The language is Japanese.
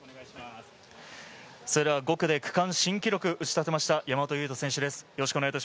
５区で区間新記録を打ち立てました山本唯翔選手です。